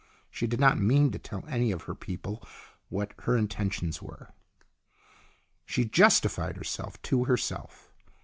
She did not mean to tell any of her people what her intentions were. She justified herself to herself.